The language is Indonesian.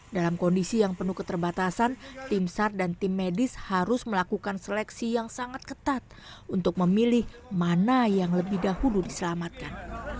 dalam kondisi yang penuh keterbatasan tim sar dan tim medis harus melakukan seleksi yang sangat ketat untuk memilih mana yang lebih dahulu diselamatkan